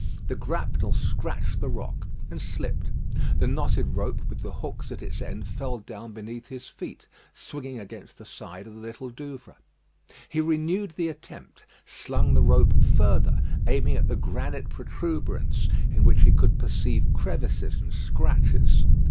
The grapnel scratched the rock, and slipped. The knotted rope with the hooks at its end fell down beneath his feet, swinging against the side of the little Douvre. He renewed the attempt; slung the rope further, aiming at the granite protuberance, in which he could perceive crevices and scratches.